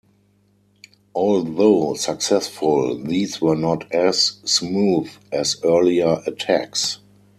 Although successful, these were not as smooth as earlier attacks.